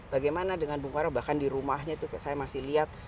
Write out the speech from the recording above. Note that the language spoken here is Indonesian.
bagaimana dengan bung karno bahkan di rumahnya itu saya masih lihat